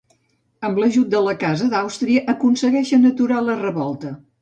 Amb l'ajut de la casa d'Àustria, aconsegueixen aturar la revolta.